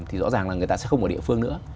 thì rõ ràng là người ta sẽ không ở địa phương nữa